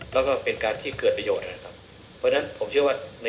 แล้วก็เป็นการที่เกิดประโยชน์นะครับเพราะฉะนั้นผมเชื่อว่าใน